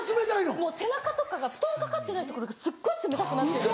もう背中とかが布団かかってないところがすっごい冷たくなってるんです。